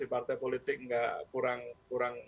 di partai politik nggak kurang